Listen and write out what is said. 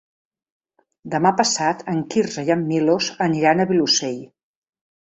Demà passat en Quirze i en Milos aniran al Vilosell.